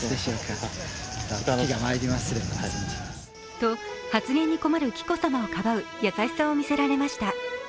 と、発言に困る紀子さまをかばう優しさを見せられました。